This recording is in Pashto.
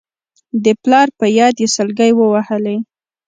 د پلار په ياد يې سلګۍ ووهلې.